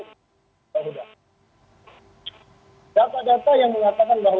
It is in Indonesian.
tidak ada masalah